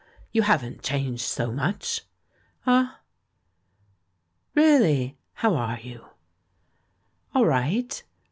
"You haven't changed so much." "Ah!" "Really! How are you?" "All right.